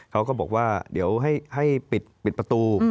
เขาก็บอกว่าเดี๋ยวให้ปิดประตู